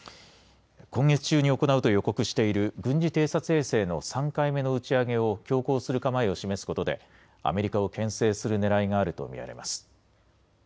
今月中に行うと予告している軍事偵察衛星の３回目の打ち上げを強行する構えを示すことでアメリカをけん制するねらいがあると見られます。